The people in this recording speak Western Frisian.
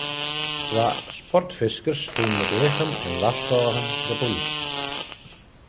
Twa sportfiskers fûnen it lichem en warskôgen de polysje.